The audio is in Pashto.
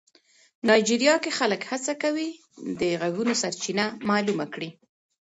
نایجیریا کې خلک هڅه کوي د غږونو سرچینه معلومه کړي.